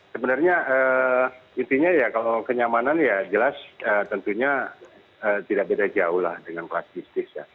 sebenarnya intinya ya kalau kenyamanan ya jelas tentunya tidak beda jauh lah dengan kelas bisnis ya